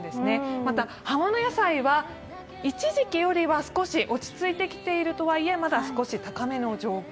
また、葉物野菜は一時期よりは少し落ち着いてきているとはいえまだ少し高めの状況。